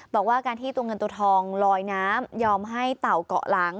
บอกว่าการที่ตัวเงินตัวทองลอยน้ำยอมให้เต่าเกาะหลัง